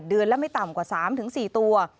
เดือนละไม่ต่ำกว่า๓๔ตัว